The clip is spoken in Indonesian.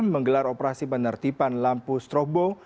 menggelar operasi penertiban lampu strobo